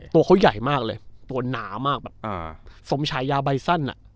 ตัวเขาใหญ่มากเลยตัวหนามากแบบอ่าสมฉายาใบสั้นอ่ะ